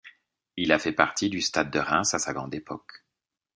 Il a fait partie du Stade de Reims à sa grande époque.